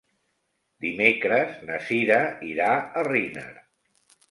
Dimecres na Sira irà a Riner.